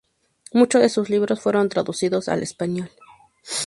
Muchos de sus libros fueron traducidos al español.